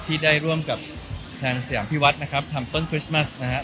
ที่ได้ร่วมกับทางสยามพิวัฒน์นะครับทำต้นคริสต์มัสนะครับ